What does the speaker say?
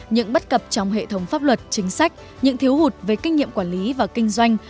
những bất cập trong hệ thống pháp luật chính sách những thiếu hụt về kinh nghiệm quản lý và kinh doanh